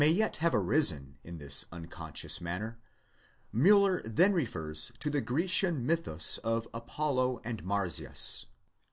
yet have arisen in this unconscious manner, Miiller then refers to the Grecian mythus of Apollo and Marsyas.